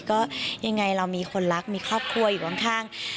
ก็ยังไงเรามีคนรักมีครอบครัวอยู่ข้าง